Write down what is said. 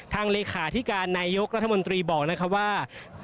เลขาธิการนายกรัฐมนตรีบอกนะครับว่า